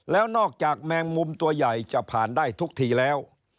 แล้วนอกจากแมงมุมตัวใหญ่จะผ่านได้ทุกทีแล้ว